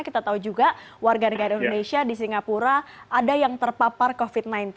kita tahu juga warga negara indonesia di singapura ada yang terpapar covid sembilan belas